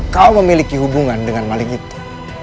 kau memiliki hubungan dengan malik itu